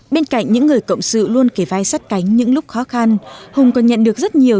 bên cạnh những người cộng sự luôn kề vai sát cánh những lúc khó khăn hùng còn nhận được rất nhiều